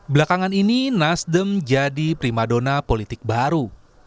belakangan ini nasdem jadi primadona politik baru